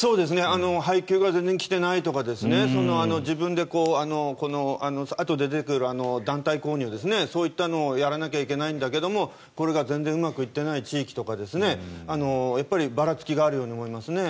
配給が全然来ていないとか自分で、あとで出てくる団体購入、そういったものをやらなきゃいけないんだけどもこれが全然うまくいっていない地域とかやっぱりばらつきがあるように思いますね。